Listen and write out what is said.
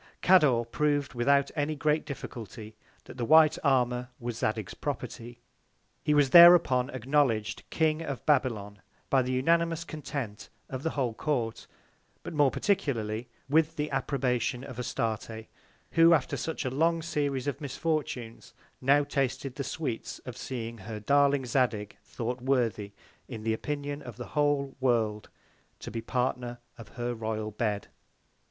Cador prov'd, without any great Difficulty, that the White Armour was Zadig's Property. He was thereupon acknowledg'd King of Babylon, by the unanimous Content of the Whole Court; but more particularly with the Approbation of Astarte, who after such a long Series of Misfortunes, now tasted the Sweets of seeing her darling Zadig thought worthy, in the Opinion of the whole World, to be the Partner of her royal Bed.